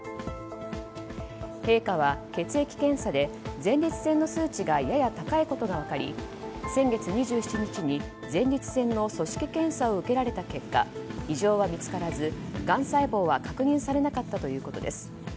陛下は血液検査で前立腺の数値がやや高いことが分かり先月２７日に前立腺の組織検査を受けられた結果異常は見つからず、がん細胞は確認されなかったということです。